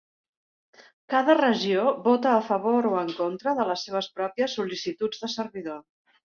Cada regió vota a favor o en contra de les seves pròpies sol·licituds de servidor.